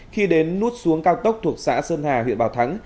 khi đến nút xuống cao tốc thuộc xã sơn hà huyện bảo thắng